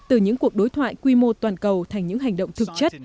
từ những cuộc đối thoại quy mô toàn cầu thành những hành động thực chất